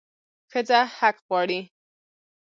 ښځه حق غواړي